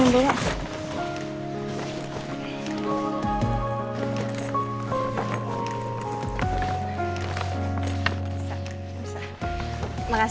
mas aku mau ke kamar